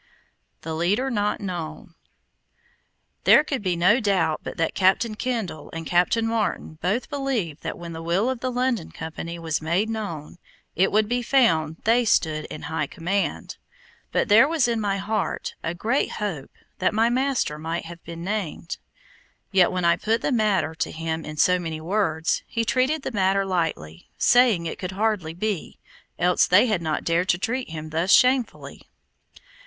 THE LEADER NOT KNOWN There could be no doubt but that Captain Kendall and Captain Martin both believed that when the will of the London Company was made known, it would be found they stood in high command; but there was in my heart a great hope that my master might have been named. Yet when I put the matter to him in so many words, he treated the matter lightly, saying it could hardly be, else they had not dared to treat him thus shamefully.